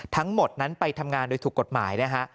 ทั้งหมดนั้นไปทำงานโดยถูกกฎหมายนะฮะ